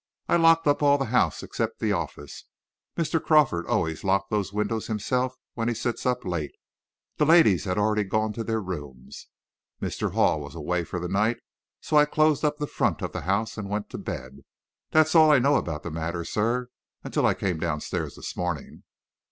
I locked up all the house, except the office. Mr. Crawford always locks those windows himself, when he sits up late. The ladies had already gone to their rooms; Mr. Hall was away for the night, so I closed up the front of the house, and went to bed. That's all I know about the matter, sir until I came down stairs this morning."